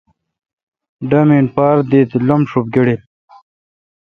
ڈامین پار داتے°لب ݭب گڑیل۔